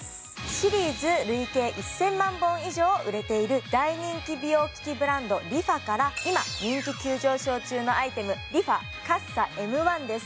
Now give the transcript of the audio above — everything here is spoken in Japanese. シリーズ累計１０００万本以上売れている大人気美容機器ブランドＲｅＦａから今人気急上昇中のアイテムＲｅＦａＣＡＸＡＭ１です